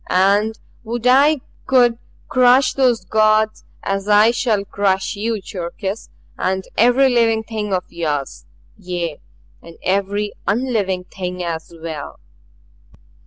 And would I could crush those gods as I shall crush you, Cherkis and every living thing of yours! Yea and every UNLIVING thing as well!"